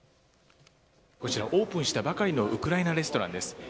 こちら、オープンしたばかりのウクライナレストランです。